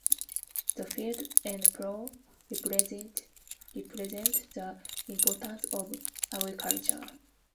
The field and plow represent the importance of agriculture.